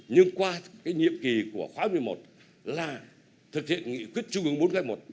nhưng qua cái nhiệm kỳ của khóa một mươi một là thực hiện nghị quyết trung ứng bốn hai một